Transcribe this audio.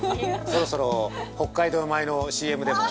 ◆そろそろ北海道米のＣＭでも。